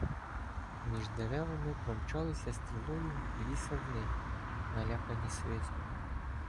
Між деревами промчалися стрілою дві сарни, налякані свистом.